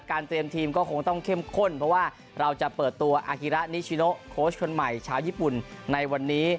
เตรียมทีมก็คงต้องเข้มข้นเพราะว่าเราจะเปิดตัวอาฮิระนิชิโนโค้ชคนใหม่ชาวญี่ปุ่นในวันนี้